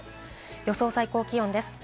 予想最高気温です。